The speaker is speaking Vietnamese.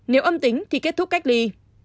nếu âm tính thì kết thúc cách ly